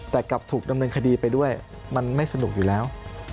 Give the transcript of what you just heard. แต่กลับถูกดำเนินคดีไปด้วยมันไม่สนุกอยู่แล้ว